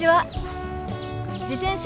自転車